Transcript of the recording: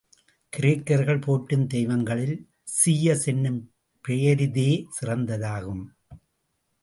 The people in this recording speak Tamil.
கிரேக்கர்கள் போற்றும் தெய்வங்களில் ஸீயஸ் என்னும் பெயரிதே சிறந்ததாகும்.